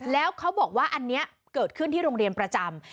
แล้วเขาบอกว่าอันนี้เกิดขึ้นที่โรงเรียนประจำ